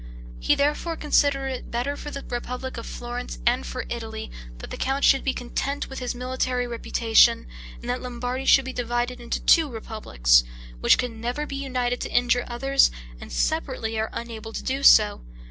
He therefore considered it better for the republic of Florence and for Italy, that the count should be content with his military reputation, and that Lombardy should be divided into two republics, which could never be united to injure others, and separately are unable to do so.